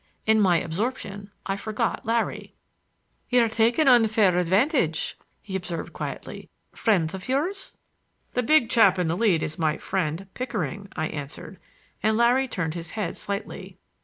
In my absorption I forgot Larry. "You're taking unfair advantage," he observed quietly. "Friends of yours?" "The big chap in the lead is my friend Pickering," I answered; and Larry turned his head slightly.